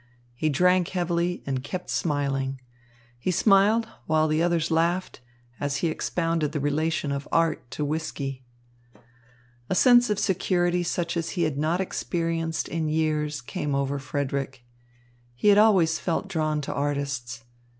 He drank heavily and kept smiling. He smiled, while the others laughed as he expounded the relation of art to whisky. A sense of security such as he had not experienced in years came over Frederick. He had always felt drawn to artists.